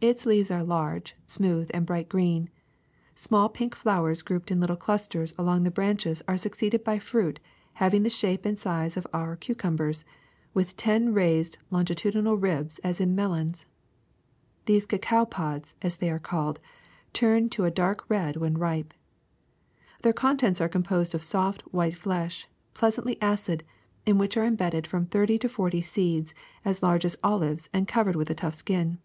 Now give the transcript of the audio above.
Its leaves are large, smooth, and bright green. Small pink flowers grouped in little clusters along the branches are succeeded by fruit having the shape and size of our cucumbers, with ten raised longitudinal ribs as in melons. These cacao pods, as they are called, turn to a dark red when ripe. Their contents are composed of soft white flesh, pleasantly acid, in which are embedded from thirty to forty seeds as large as olives and covered with a tough skin.